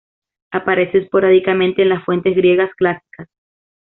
Aparece esporádicamente en las fuentes griegas clásicas.